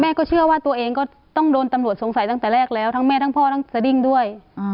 เชื่อว่าตัวเองก็ต้องโดนตำรวจสงสัยตั้งแต่แรกแล้วทั้งแม่ทั้งพ่อทั้งสดิ้งด้วย